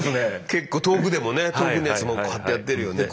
結構遠くでもね遠くのやつもこうやってやってるよね。